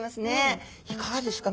いかがですか？